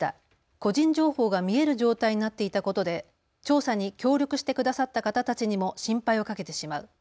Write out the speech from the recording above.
個人情報が見える状態になっていたことで調査に協力してくださった方たちにも心配をかけてしまう。